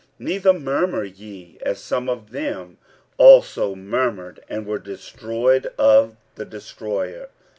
46:010:010 Neither murmur ye, as some of them also murmured, and were destroyed of the destroyer.